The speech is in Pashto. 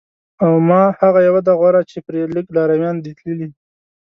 او ما هغه یوه ده غوره چې پرې لږ لارویان دي تللي